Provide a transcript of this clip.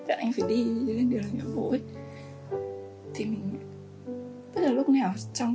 chẳng hạn anh phải đi chứ cái điều này nó hổ ấy